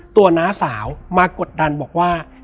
น้าสาวมากดดันบอกว่า